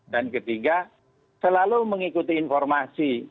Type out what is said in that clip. dan ketiga selalu mengikuti informasi